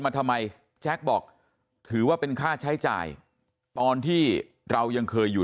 มาทำไมแจ๊คบอกถือว่าเป็นค่าใช้จ่ายตอนที่เรายังเคยอยู่